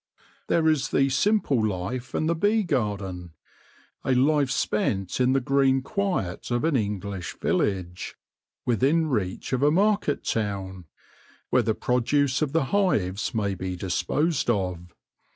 There is the Simple Life and the bee garden — a life spent in the green quiet of an English village, within reach of a market town, where the produce of the hives may be disposed of.